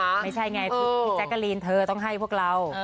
ไม่ใช่ไงพี่แจ๊กกะลีนเธอต้องให้พวกเรา